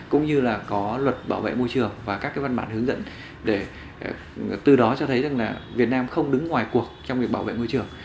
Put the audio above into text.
cũng như là có luật bảo vệ môi trường và các cái văn bản hướng dẫn để từ đó cho thấy rằng là việt nam không đứng ngoài cuộc trong việc bảo vệ môi trường